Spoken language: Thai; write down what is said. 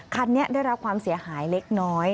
คันนี้ได้รับความเสียหายเล็กน้อย